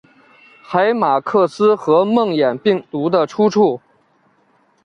海马克斯和梦魇病毒的出处！